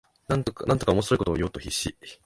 なんとか面白いことを言おうと必死